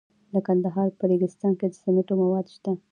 د کندهار په ریګستان کې د سمنټو مواد شته.